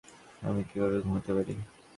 আমি কিভাবে ঘুমাতে পারি?